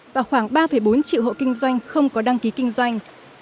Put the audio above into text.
và khoảng ba bốn triệu hộ kinh doanh không có đăng ký kinh doanh